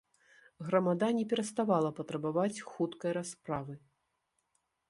Грамада не пераставала патрабаваць хуткай расправы.